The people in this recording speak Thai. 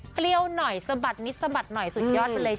เปรี้ยวหน่อยสบัดนิดสบัดสุดยอดเร็ว